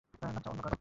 বাচ্চা অন্যে কারো।